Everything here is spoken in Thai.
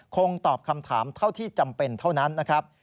คงตอบคำถามเท่าที่จำเป็นเท่านั้นนะครับ